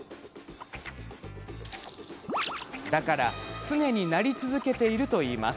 だから、常に鳴り続けているといいます。